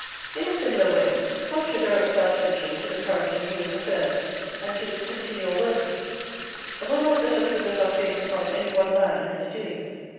In a similar way, culture directs our attention to the current in human affairs, and to its continual working, and will not let us rivet our faith upon any one man and his doings.